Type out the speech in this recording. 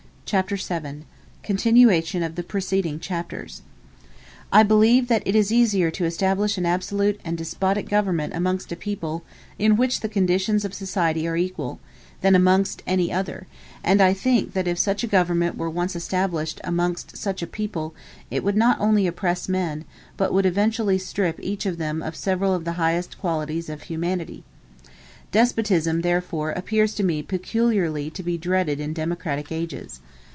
] Chapter VII: Continuation Of The Preceding Chapters I believe that it is easier to establish an absolute and despotic government amongst a people in which the conditions of society are equal, than amongst any other; and I think that if such a government were once established amongst such a people, it would not only oppress men, but would eventually strip each of them of several of the highest qualities of humanity. Despotism therefore appears to me peculiarly to be dreaded in democratic ages.